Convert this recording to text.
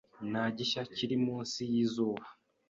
Nta gishya kiri munsi yizuba.